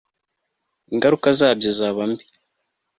ingaruka zabyo zaba mbi